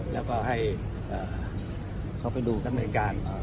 และก็ให้เขาไปดูกันในการ